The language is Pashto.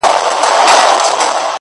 o چي ته بېلېږې له خپل كوره څخه؛